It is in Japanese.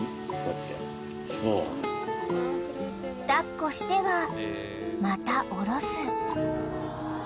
［抱っこしてはまた下ろす］